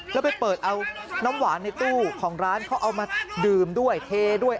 แล้วไปเปิดเอาน้ำหวานในตู้ของร้านเขาเอามาดื่มด้วยเทด้วย